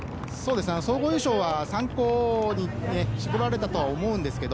総合優勝は３校に絞られたと思うんですけれど。